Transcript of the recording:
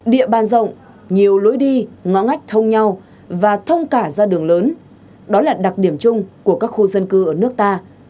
địa bàn rộng nhiều lối đi ngõ ngách thông nhau và thông cả ra đường lớn đó là đặc điểm chung của các khu dân cư ở nước ta